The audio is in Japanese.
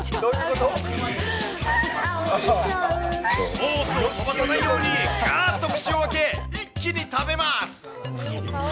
ソースをこぼさないように、がーっと口を開け、一気に食べます。